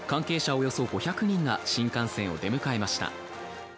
およそ５００人が新幹線を出迎えました。